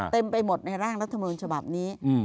เต็มไปหมดในร่างรัฐมนูญฉบับนี้